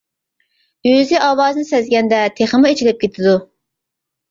ئۆزى ئاۋازىنى سەزگەندە تېخىمۇ ئېچىلىپ كېتىدۇ.